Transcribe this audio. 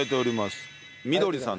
みどりさんです。